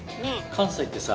関西ってさ